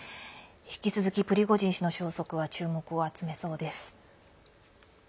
引き続きプリゴジン氏の消息は注目を集めそうです。